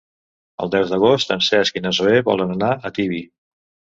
El deu d'agost en Cesc i na Zoè volen anar a Tibi.